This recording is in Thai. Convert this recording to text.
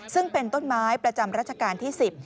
ซึ่งเป็นต้นไม้ประจำรัชกาลที่๑๐